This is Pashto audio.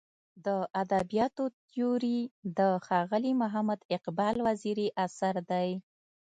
د ادبیاتو تیوري د ښاغلي محمد اقبال وزیري اثر دی.